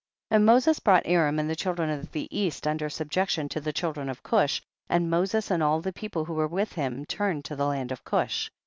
47. And Moses brought Aram and the children of the east under sub jection to the children of Cush, and Moses and all the people who were with him, turned to the land of Cush.